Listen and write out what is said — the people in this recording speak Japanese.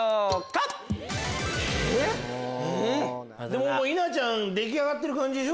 もう稲ちゃん出来上がってる感じでしょ？